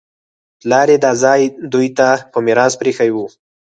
پلار یې دا ځای دوی ته په میراث پرېښی و